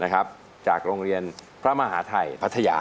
ขอบคุณค่ะ